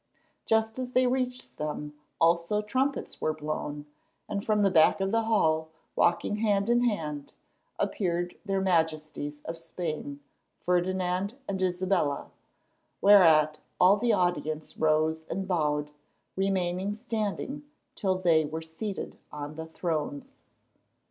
Just as they reached them also trumpets were blown, and from the back of the hall, walking hand in hand, appeared their Majesties of Spain, Ferdinand and Isabella, whereat all the audience rose and bowed, remaining standing till they were seated on the thrones.